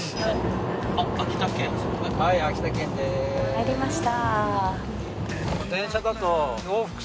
入りました。